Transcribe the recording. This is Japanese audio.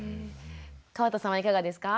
川田さんはいかがですか？